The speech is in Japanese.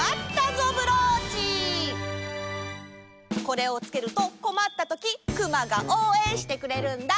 これをつけるとこまったときクマがおうえんしてくれるんだ。